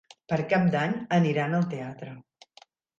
Per Cap d'Any aniran al teatre.